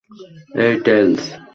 এই, টেলস।